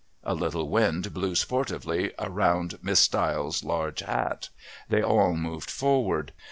A little wind blew sportively around Miss Stiles' large hat. They all moved forward.